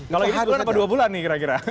kalau ini bulan apa dua bulan nih kira kira